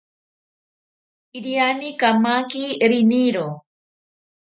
Iriani kamaki riniro